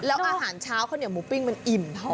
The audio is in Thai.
แล้วอาหารเช้าเขาเนี่ยหมูปิ้งมันอิ่มเท่าไหร่